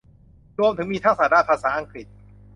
รวมถึงมีทักษะด้านภาษาอังกฤษ